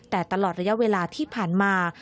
แต่ตลอดระยะเวลาที่ผ่านมา